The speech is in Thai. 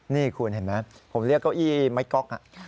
นี่คุณเห็นไหมผมเรียกเก้าอี้ไม้ก๊อก